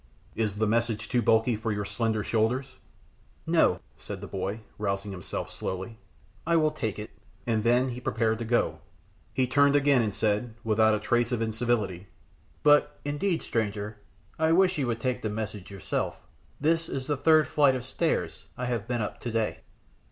Is the message too bulky for your slender shoulders?" "No," said the boy, rousing himself slowly, "I will take it," and then he prepared to go. He turned again and said, without a trace of incivility, "But indeed, stranger, I wish you would take the message yourself. This is the third flight of stairs I have been up today."